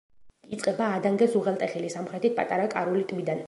იწყება ადანგეს უღელტეხილის სამხრეთით პატარა კარული ტბიდან.